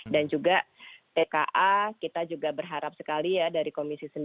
dan juga tka kita juga berharap sekali ya dari komisi sembilan